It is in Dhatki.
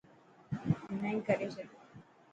هيڻا ئي ڪري ڇڏ.